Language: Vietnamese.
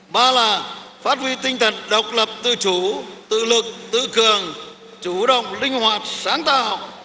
ba là phát huy tinh thần độc lập tự chủ tự lực tự cường chủ động linh hoạt sáng tạo